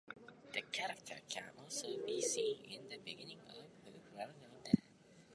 The character can also be seen in the beginning of "Who Framed Roger Rabbit".